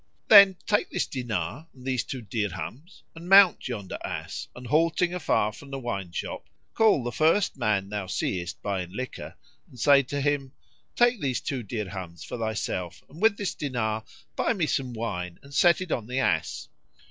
"Then take this dinar and these two dirhams and mount yonder ass and, halting afar from the wine shop, call the first man thou seest buying liquor and say to him, 'Take these two dirhams for thyself, and with this dinar buy me some wine and set it on the ass.'